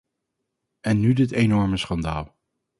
En nu dit enorme schandaal.